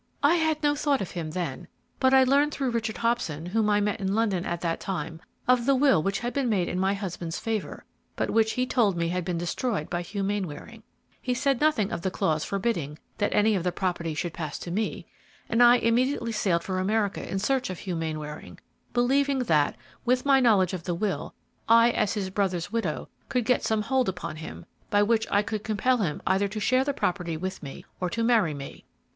"I had no thought of him then, but I learned through Richard Hobson, whom I met in London at that time, of the will which had been made in my husband's favor, but which he told me had been destroyed by Hugh Mainwaring. He said nothing of the clause forbidding that any of the property should pass to me, and I immediately sailed for America in search of Hugh Mainwaring, believing that, with my knowledge of the will, I, as his brother's widow, could get some hold upon him by which I could compel him either to share the property with me or to marry me."